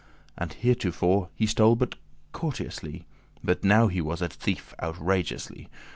For theretofore he stole but courteously, But now he was a thief outrageously.